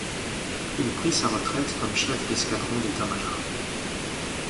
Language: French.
Il prit sa retraite comme chef d'escadron d'état-major.